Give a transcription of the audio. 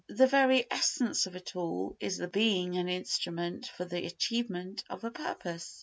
The very essence of a tool is the being an instrument for the achievement of a purpose.